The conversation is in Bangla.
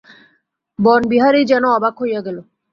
বনবিহারী যেন অবাক হইয়া গেল।